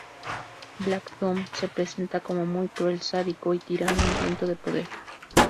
Black Doom se presenta como muy cruel, sádico y tirano hambriento de poder.